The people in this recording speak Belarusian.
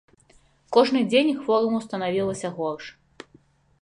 Кожны дзень хвораму станавілася горш.